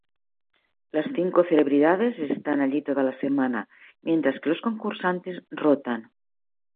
Las cinco celebridades están allí toda la semana, mientras que los concursantes rotan.